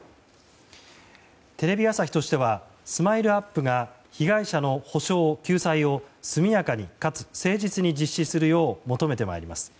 テレビ朝日としてはＳＭＩＬＥ‐ＵＰ．が被害者の補償・救済を速やかに、かつ誠実に実施するよう求めてまいります。